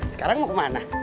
sekarang mau kemana